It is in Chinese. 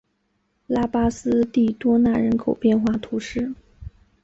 拉巴斯蒂多纳人口变化图示